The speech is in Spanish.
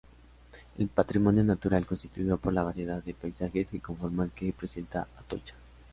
El patrimonio natural constituido por la variedad de paisajes que conforman que presenta Atocha.